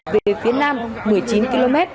về phía nam một mươi chín km